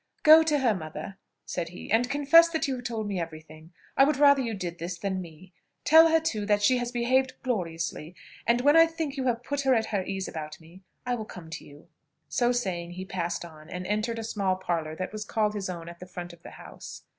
"Go to her, mother," said he, "and confess that you have told me every thing. I would rather you did this than me; tell her too, that she has behaved gloriously, and, when I think you have put her at her ease about me, I will come to you." So saying, he passed on, and entered a small parlour that was called his own at the front of the house.